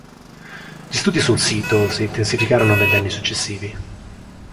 Gli studi sul sito si intensificarono negli anni successivi.